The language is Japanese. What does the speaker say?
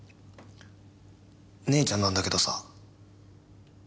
姉ちゃんなんだけどさ。